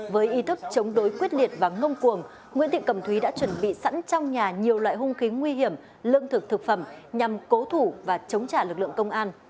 với ý thức chống đối quyết liệt và ngông cuồng nguyễn thị cẩm thúy đã chuẩn bị sẵn trong nhà nhiều loại hung khí nguy hiểm lương thực thực phẩm nhằm cố thủ và chống trả lực lượng công an